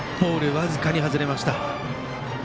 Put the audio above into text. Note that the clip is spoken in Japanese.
僅かに外れました。